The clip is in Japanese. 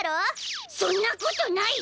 そんなことない！